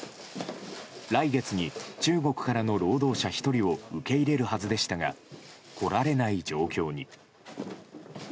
来月に中国からの労働者１人を受け入れるはずでしたが来られない状況に。